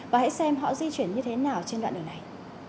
và hãy xem họ di chuyển như thế nào trên đoạn đường này